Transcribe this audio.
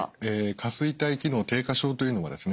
下垂体機能低下症というのはですね